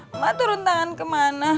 emak turun tangan ke mana